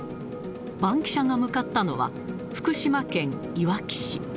バンキシャが向かったのは、福島県いわき市。